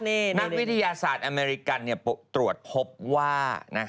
นักวิทยาศาสตร์อเมริกันตรวจพบว่า